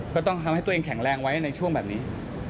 ก็ต้องทำให้ตัวเองแข็งแรงไว้ในช่วงแบบนี้